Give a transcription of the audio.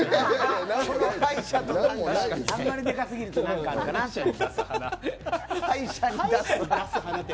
あんまりでかすぎると何かあるかなって。